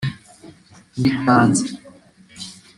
mbitanze